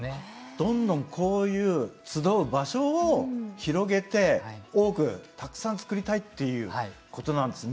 どんどんこういう集う場所を広げて多くたくさんつくりたいっていうことなんですね。